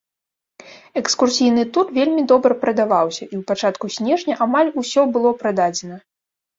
Экскурсійны тур вельмі добра прадаваўся, і ў пачатку снежня амаль усё было прададзена.